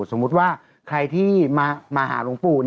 แต่ถ้าถ้าไครที่มาหาหลงปู่